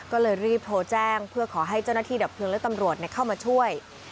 ก็เลยรีบโทรแจ้งเพื่อขอให้เจ้าหน้าที่ดับเพลิงและตำรวจเข้ามาช่วย